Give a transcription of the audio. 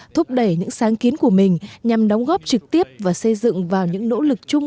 thúc đẩy những sáng kiến của mình nhằm đóng góp trực tiếp và xây dựng vào những nỗ lực chung